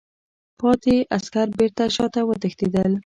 پاتې عسکر بېرته شاته وتښتېدل.